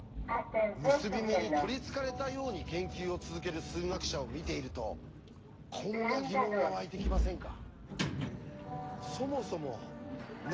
結び目に取りつかれたように研究を続ける数学者を見ているとこんな疑問がわいてきませんか？